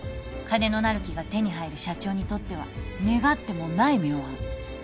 金のなる木が手に入る社長にとっては願ってもない妙案